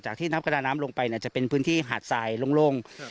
ที่นับประดาน้ำลงไปจะเป็นพื้นที่หาดทรายโล่ง